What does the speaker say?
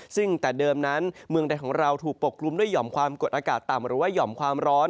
ซึ่งแต่เดิมนั้นเมืองใดของเราถูกปกกลุ่มด้วยห่อมความกดอากาศต่ำหรือว่าห่อมความร้อน